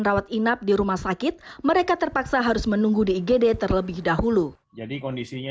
rawat inap di rumah sakit mereka terpaksa harus menunggu di igd terlebih dahulu jadi kondisinya